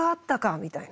みたいな。